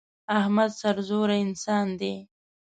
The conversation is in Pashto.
احمد سرزوره انسان دی.